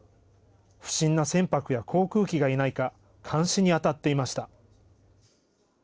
不審な船舶や航空機がいないか監視に当たっていました。